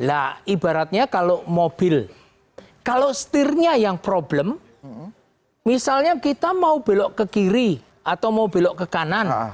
nah ibaratnya kalau mobil kalau setirnya yang problem misalnya kita mau belok ke kiri atau mau belok ke kanan